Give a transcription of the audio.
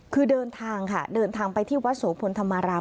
คือเดินทางค่ะเดินทางไปที่วัดโสพลธรรมาราม